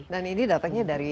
dan ini datangnya dari bawah